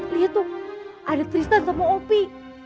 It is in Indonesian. lihat tuh ada tristan sama opi